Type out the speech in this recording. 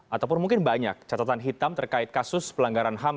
ataupun mungkin banyak catatan hitam terkait kasus pelanggaran ham